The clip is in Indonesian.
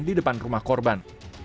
di depan rumah korban